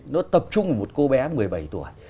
nó tập trung vào một cô bé một mươi bảy tuổi